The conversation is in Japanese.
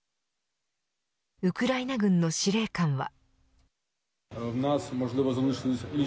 ウクライナ軍の司令官は。